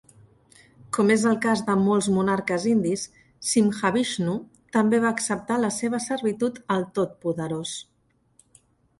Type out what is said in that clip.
Com és el cas de molts monarques indis, Simhavishnu també va acceptar la seva servitud al Tot Poderós.